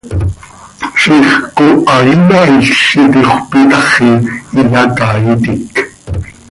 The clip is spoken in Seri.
Ziix cooha inaail z itixöp itaxi, iyacaaitic.